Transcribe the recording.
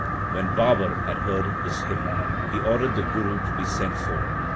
3 When Babar had heard this hymn, he ordered the Guru to be sent for.